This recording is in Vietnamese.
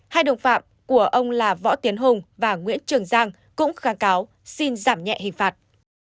hai đồng phạm của ông là võ tiến hùng và nguyễn trường giang cũng kháng cáo xin giảm nhẹ hình phạt